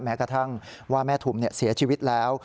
แม้กระทั่งว่าแม่ถุมเสียชีวิตแล้ว